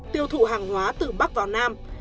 tiêu thụ hàng hóa từ bắc vào nam